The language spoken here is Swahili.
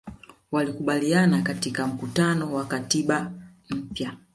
walikubaliana katika mkutano wa katiba mpya